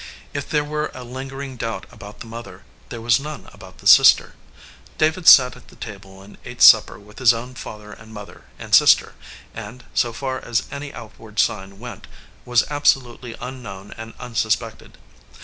If there were a lingering doubt about the mother, there was none about the sister. David sat at the table and ate supper with his own father and mother and sister, and, so far as any outward sign went, was absolutely un known and unsuspected.